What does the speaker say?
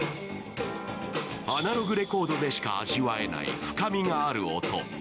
アナログレコードでしか味わえない深みがある音。